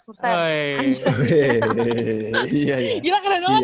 gila keren banget nih gue